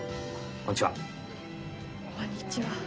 こんにちは。